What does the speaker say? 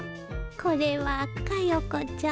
これはかよこちゃん。